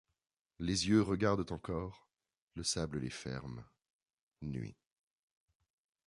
Les yeux regardent encore, le sable les ferme ; nuit.